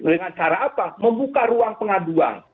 dengan cara apa membuka ruang pengaduan